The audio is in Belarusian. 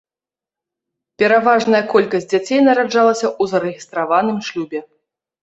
Пераважная колькасць дзяцей нараджалася ў зарэгістраваным шлюбе.